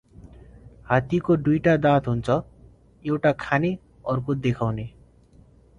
हाती को दुइटा दात हुन्छ, एउटा खाने अर्को देखाउने